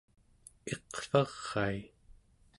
iqvarai